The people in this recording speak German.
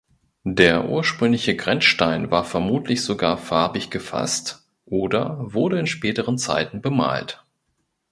Der ursprüngliche Grenzstein war vermutlich sogar farbig gefasst oder wurde in späteren Zeiten bemalt.